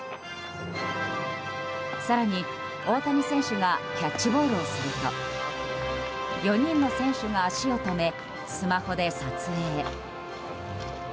更に、大谷選手がキャッチボールをすると４人の選手が足を止めスマホで撮影。